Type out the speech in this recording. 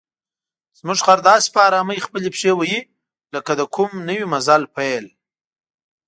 زموږ خر داسې په آرامۍ خپلې پښې وهي لکه د کوم نوي مزل پیل.